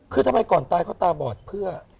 คือทำไมก่อนตายเขาตาบอดเพื่อ